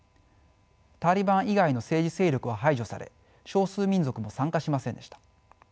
タリバン以外の政治勢力は排除され少数民族も参加しませんでした。